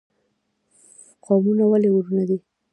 قومونه ولې ورونه دي؟